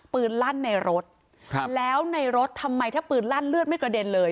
ลั่นในรถครับแล้วในรถทำไมถ้าปืนลั่นเลือดไม่กระเด็นเลย